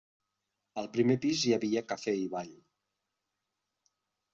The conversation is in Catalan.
Al primer pis hi havia cafè i ball.